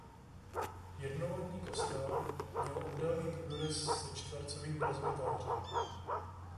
Jednolodní kostel měl obdélný půdorys se čtvercovým presbytářem.